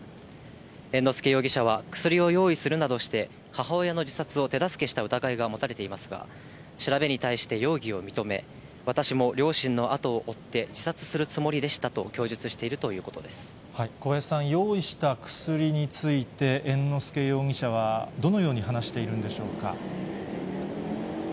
猿之助容疑者は薬を用意するなどして母親の自殺を手助けした疑いが持たれていますが、調べに対して容疑を認め、私も両親の後を追って自殺するつもりでしたと供述しているという小林さん、用意した薬について、猿之助容疑者はどのように話しているんでしょうか。